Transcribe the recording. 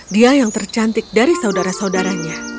dia yang tercantik dari saudara saudaranya